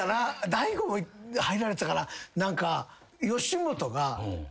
大悟も入られてたかな？